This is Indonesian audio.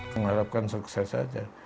mengharapkan sukses saja